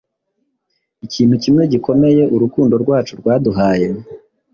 "Ikintu kimwe gikomeye urukundo rwacu rwaduhaye